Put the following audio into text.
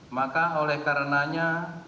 maka oleh karenanya